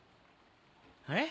あれ？